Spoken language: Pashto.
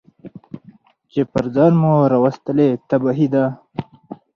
چي پر ځان مو راوستلې تباهي ده